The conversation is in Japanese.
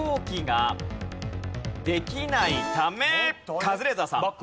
カズレーザーさん。